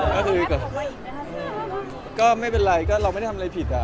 ก็คือก็ไม่เป็นไรก็เราไม่ได้ทำอะไรผิดอ่ะ